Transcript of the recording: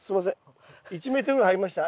１ｍぐらい入りました？